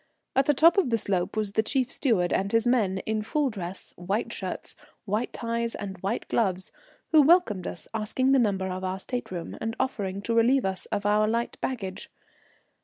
At the top of the slope was the chief steward and his men, in full dress, white shirts, white ties, and white gloves, who welcomed us, asking the number of our stateroom, and offering to relieve us of our light baggage.